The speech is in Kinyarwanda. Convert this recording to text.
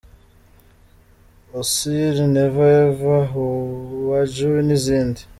O, ‘Siri’, ‘Never Ever’, Hawajui n’izindi.